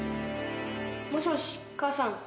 もしもし母さん。